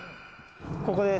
ここです。